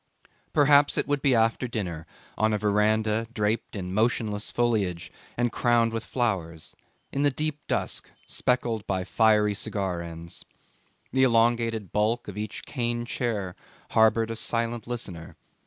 Perhaps it would be after dinner, on a verandah draped in motionless foliage and crowned with flowers, in the deep dusk speckled by fiery cigar ends. The elongated bulk of each cane chair harboured a silent listener.